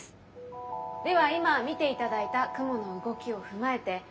では今見ていただいた雲の動きを踏まえて。